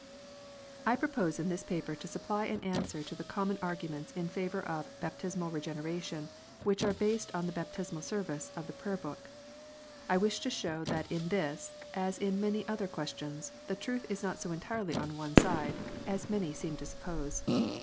I propose in this paper to supply an answer to the common arguments in favour of " Baptismal Regeneration," which are based on the Baptismal Service of the Prayer book. I wish to show that in this, as in many other questions, the truth is not so entirely on one side, as many seem to suppose.